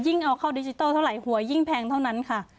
เอาเข้าดิจิทัลเท่าไหร่หวยยิ่งแพงเท่านั้นค่ะ